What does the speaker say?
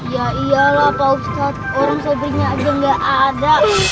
ya iyalah pak ustadz orang sobri nya aja gak ada